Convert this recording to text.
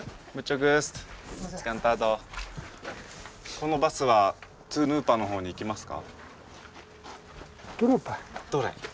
このバスはトゥヌーパの方に行きますか？